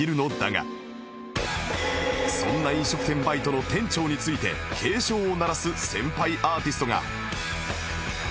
そんな飲食店バイトの店長について警鐘を鳴らす先輩アーティストが